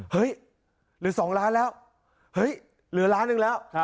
เฮ้ยหรือ๒ล้านแล้วเฮ้ยเหลือล้านหนึ่งแล้ว